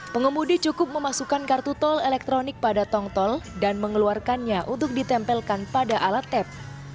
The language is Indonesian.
pengemudi cukup memasukkan kartu tol elektronik pada tongtol dan mengeluarkannya untuk ditempelkan pada alat tap